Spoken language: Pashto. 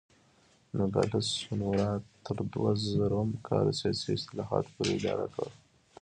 نوګالس سونورا تر دوه زره م کال سیاسي اصلاحاتو پورې اداره کېده.